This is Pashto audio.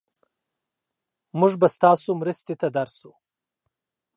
مونږ به ستاسو مرستې ته درشو.